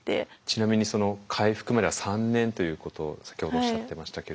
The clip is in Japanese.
ちなみにその回復までは３年ということ先ほどおっしゃってましたけれども。